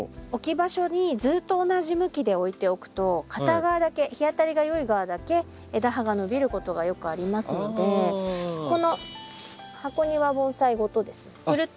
置き場所にずっと同じ向きで置いておくと片側だけ日当たりがよい側だけ枝葉が伸びることがよくありますのでこの箱庭盆栽ごとですね